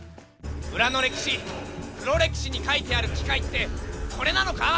裏の歴史黒歴史に書いてある機械ってこれなのか？